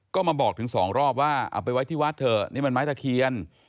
ก็มาบอกถึงสองรอบว่าเอาไปไว้ที่วัดเถอะนี่มันไม้ตะเคียน